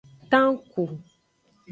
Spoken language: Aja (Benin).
Tanku.